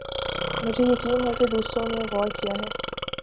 مجھے یقین ہے کہ دوسروں نے غور کِیا ہے